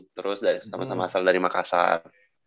terus sama sama asal dari makassar